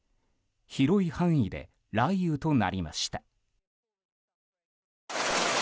広い範囲で雷雨となりました。